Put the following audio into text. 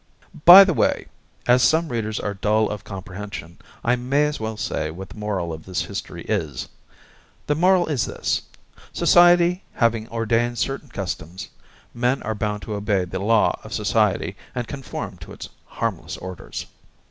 By the way, as some readers are dull of comprehension, I may as well say what the moral of this history is. The moral is this Society having ordained certain customs, men are bound to obey the law of society, and conform to its harmless orders.